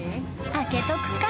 開けとくか］